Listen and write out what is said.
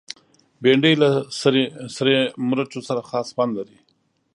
بېنډۍ له سرې مرچو سره خاص خوند لري